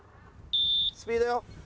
スピードよ。